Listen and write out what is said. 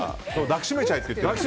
抱きしめちゃえって。